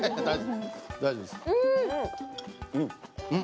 大丈夫です。